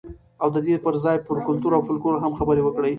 او د دې ځای پر کلتور او فولکلور هم خبرې وکړئ.